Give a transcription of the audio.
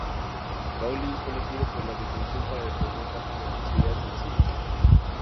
Pauli, fue elegido por la afición para formar parte del once ideal del siglo.